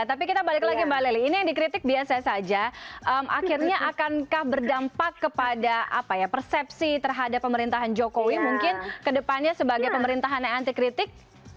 tapi kita balik lagi mbak lili ini yang dikritik biasa saja akhirnya akankah berdampak kepada persepsi terhadap pemerintahan jokowi mungkin kedepannya sebagai pemerintahan yang anti kritik